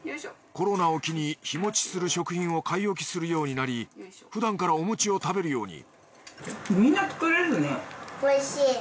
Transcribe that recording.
コロナを機に日持ちする食品を買い置きするようになりふだんからお餅を食べるようにみんな作れるよね。